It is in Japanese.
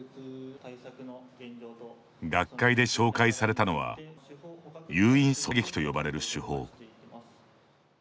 学会で紹介されたのは誘引射撃と呼ばれる手法。